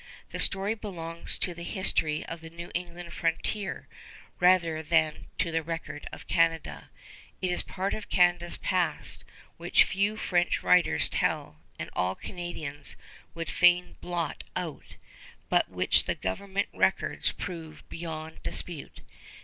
The story belongs to the history of the New England frontier rather than to the record of Canada. It is a part of Canada's past which few French writers tell and all Canadians would fain blot out, but which the government records prove beyond dispute.